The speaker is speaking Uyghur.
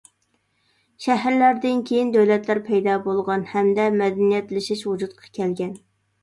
شەھەرلەردىن كېيىن دۆلەتلەر پەيدا بولغان، ھەمدە مەدەنىيەتلىشىش ۋۇجۇدقا كەلگەن.